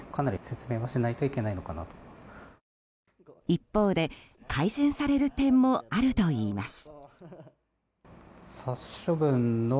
一方で改善される点もあるといいます。